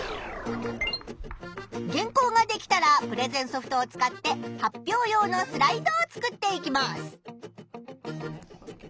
原稿ができたらプレゼンソフトを使って発表用のスライドを作っていきます。